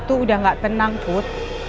ibu tuh udah gak tenang put